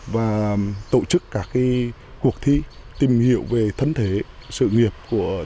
và tổ chức các cuộc thi tìm hiểu về thân thể sự nghiệp của tổng bí thư